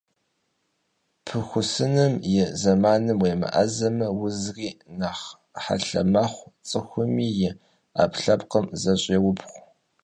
Пыхусыхум и зэманым уемыӀэзэмэ, узри нэхъ хьэлъэ мэхъу, цӀыхум и Ӏэпкълъэпкъым зыщеубгъу.